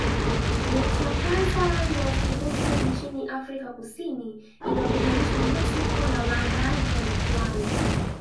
mechi ya kwanza ya ufunguzi nchini afrika kusini iliwakutanisha mexico na waandaaji wa michuano